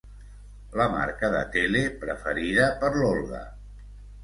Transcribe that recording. La marca de tele preferida per l'Olga.